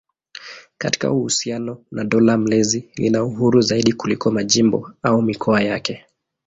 Katika uhusiano na dola mlezi lina uhuru zaidi kuliko majimbo au mikoa yake.